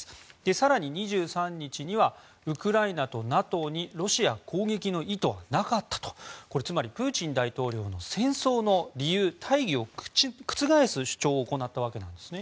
更に２３日にはウクライナとＮＡＴＯにロシア攻撃の意図はなかったとつまりプーチン大統領の戦争の理由や大義を覆す主張を行ったわけです。